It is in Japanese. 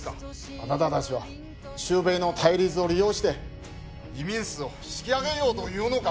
あなた達は中米の対立を利用して移民数を引き上げようというのか